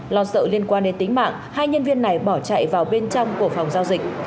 lo sợ liên quan đến tính mạng hai nhân viên này bỏ chạy vào bên trong của phòng giao dịch